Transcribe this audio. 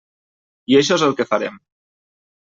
I això és el que farem.